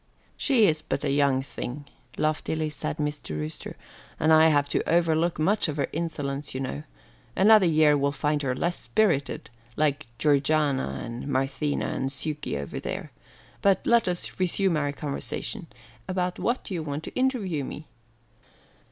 "She's but a young thing," loftily said Mr. Rooster, "and I have to overlook much of her insolence, you know. Another year will find her less spirited, like Georgiana and Marthena and Sukey over there. But let us resume our conversation. About what do you want to interview me?"